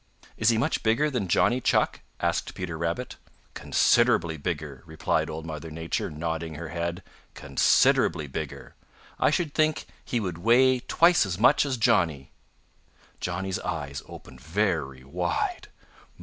"Is he much bigger than Johnny Chuck?" asked Peter Rabbit. "Considerably bigger," replied Old Mother Nature, nodding her head. "Considerably bigger. I should think he would weight twice as much as Johnny." Johnny's eyes opened very wide.